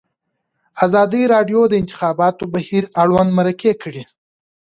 ازادي راډیو د د انتخاباتو بهیر اړوند مرکې کړي.